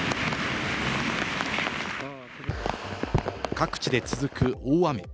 各地で続く大雨。